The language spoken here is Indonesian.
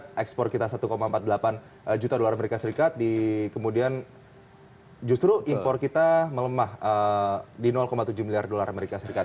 dan di amerika serikat ekspor kita satu empat puluh delapan juta dolar amerika serikat kemudian justru impor kita melemah di tujuh miliar dolar amerika serikat